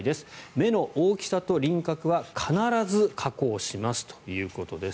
目の大きさと輪郭は必ず加工しますということです。